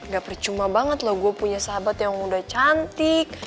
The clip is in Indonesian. gapar cuma banget loh gue punya sahabat yang udah cantik